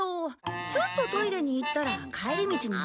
ちょっとトイレに行ったら帰り道に迷っちゃって。